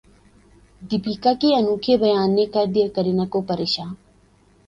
دیپیکا کے انوکھے بیان نے کردیا کرینہ کو پریشان